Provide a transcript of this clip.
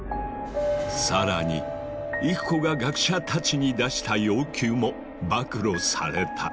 更に郁子が学者たちに出した要求も暴露された。